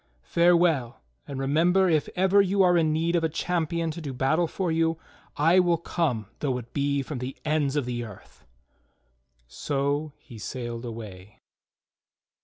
Farewell, and remember if ever you are in need of a champion to do battle for you, I will come though it be from the ends of the earth." So he sailed away.